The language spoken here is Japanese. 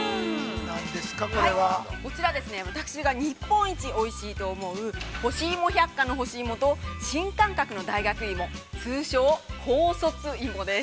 こちら、私が日本一おいしいと思う、ほしいも百貨の干し芋と新感覚の大学芋、通称高卒芋です。